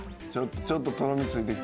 「ちょっととろみついてきた」